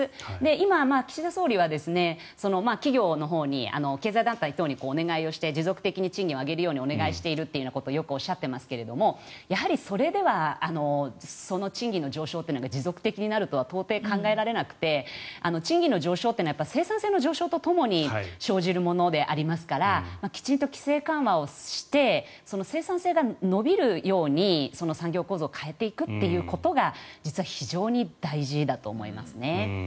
今、岸田総理は企業のほうに、経済団体等にお願いをして持続的に賃金を上げるようにお願いをしているとよくおっしゃっていますがそれではその賃金の上昇というのが持続的になるとは到底考えられなくて賃金の上昇は生産性の上昇とともに生じるものでありますからきちんと規制緩和をして生産性が伸びるように産業構造を変えていくことが実は非常に大事だと思いますね。